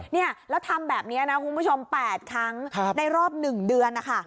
เนี่ยแล้วทำแบบนี้นะคุณผู้ชม๘ครั้งในรอบ๑เดือนนะคะ